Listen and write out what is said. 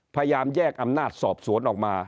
พยายามแยกอำนาจสอบสวนออกมา